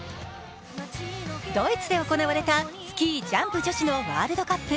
ドイツで行われたスキージャンプ女子のワールドカップ。